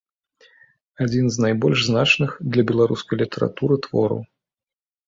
Адзін з найбольш значных для беларускай літаратуры твораў.